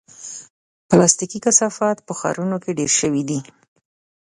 پلاستيکي کثافات په ښارونو کې ډېر شوي دي.